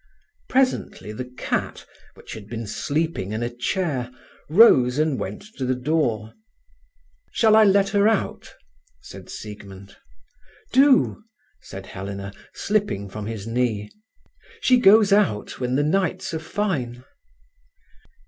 Presently the cat, which had been sleeping in a chair, rose and went to the door. "Shall I let her out?" said Siegmund. "Do!" said Helena, slipping from his knee. "She goes out when the nights are fine."